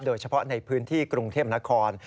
โดยเฉพาะในพื้นที่กรุงเทพนคร